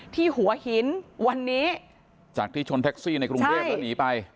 หัวหินวันนี้จากที่ชนแท็กซี่ในกรุงเทพแล้วหนีไป